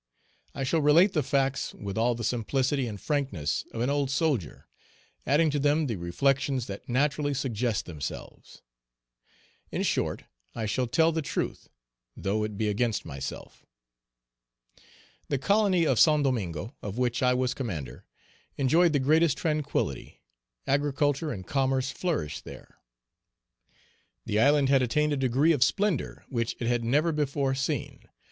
I shall relate the facts with all the simplicity and frankness of an old soldier, adding to them the reflections that naturally suggest themselves. In short, I shall tell the truth, though it be against myself. The colony of Saint Domingo, of which I was commander, enjoyed the greatest tranquillity; agriculture and commerce flourished there. The island had attained a degree of splendor which it had never before seen.